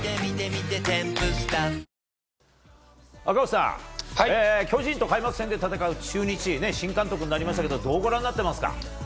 赤星さん、巨人と開幕戦で戦う中日、新監督になりましたがどうご覧になっていますか？